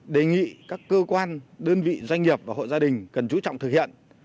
đề nghị các cơ quan đơn vị doanh nghiệp và hộ gia đình cần chú trọng thực hiện